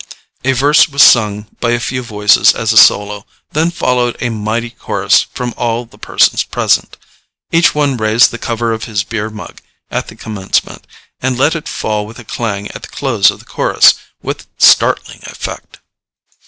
A verse was sung by a few voices as a solo; then followed a mighty chorus from all the persons present. Each one raised the cover of his beer mug at the commencement, and let it fall with a clang at the close of the chorus, with startling effect.